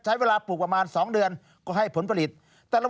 ใช้เวลาปลูกประมาณ๒เดือนก็ให้ผลผลิต